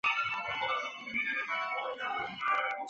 他隶属民主党籍。